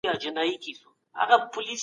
حکومت دا کار قانوني کړی دی.